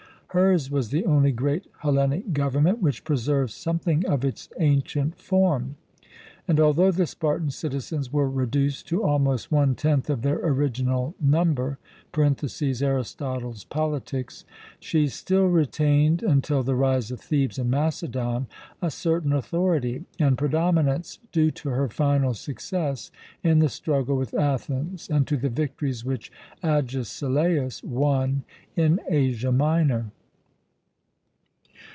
Hers was the only great Hellenic government which preserved something of its ancient form; and although the Spartan citizens were reduced to almost one tenth of their original number (Arist. Pol.), she still retained, until the rise of Thebes and Macedon, a certain authority and predominance due to her final success in the struggle with Athens and to the victories which Agesilaus won in Asia Minor.